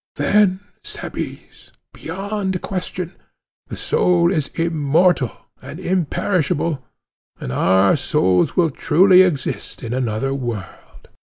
Then, Cebes, beyond question, the soul is immortal and imperishable, and our souls will truly exist in another world!